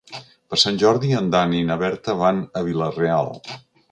Per Sant Jordi en Dan i na Berta van a Vila-real.